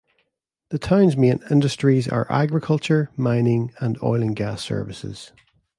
The town's main industries are agriculture, mining and oil and gas services.